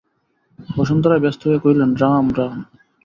বসন্ত রায় ব্যস্ত হইয়া কহিলেন, রাম, রাম।